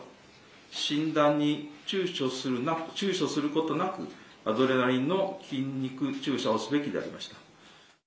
診断にちゅうちょすることなく、アドレナリンの筋肉注射をすべきでありました。